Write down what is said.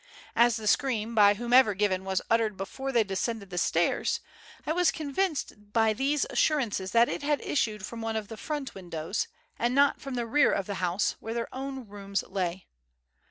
As the scream, by whomever given, was uttered before they descended the stairs, I was convinced by these assurances that it had issued from one of the front windows, and not from the rear of the house, where their own rooms lay.